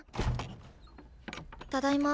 ただいま。